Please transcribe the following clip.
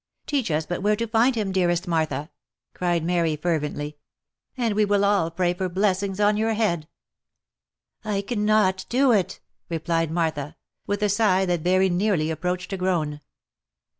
Teach us but where to find him, dearest Martha," cried Mary fervently, " and we will all pray for blessings on your head !"" I cannot do it," replied Martha, with a sigh that very nearly approached a groan.